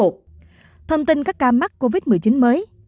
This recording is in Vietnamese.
thông tin các ca mắc covid một mươi chín mới